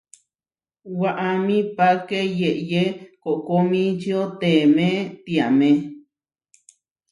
Waʼámi páke yeʼyé koʼkomičio teemé tiamé.